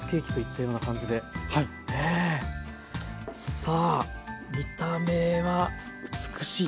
さあ見た目は美しい。